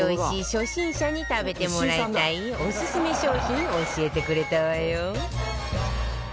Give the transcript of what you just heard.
初心者に食べてもらいたいオススメ商品教えてくれたわよ